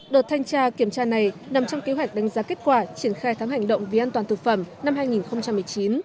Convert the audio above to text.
đợt thanh tra kiểm tra này nằm trong kế hoạch đánh giá kết quả triển khai thắng hành động vì an toàn thực phẩm năm hai nghìn một mươi chín